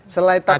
selain tab mpr